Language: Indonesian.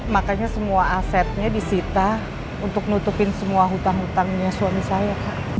makanya semua asetnya disita untuk nutupin semua hutang hutangnya suami saya kak